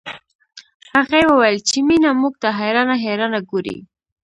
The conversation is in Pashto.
هغې وويل چې مينه موږ ته حيرانه حيرانه ګوري